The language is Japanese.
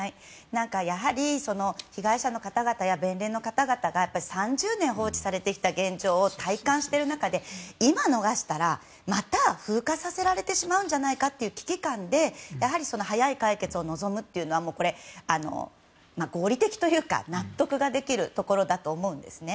やはり、被害者の方々や弁連の方々が３０年、放置されてきた現状を体感している中で今を逃したらまた風化させられてしまうんじゃないかという危機感で早い解決を望むというのは合理的というか納得ができると思うんですね。